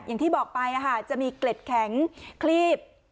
อย่างที่บอกไปจะมีเกล็ดแข็งคลีบ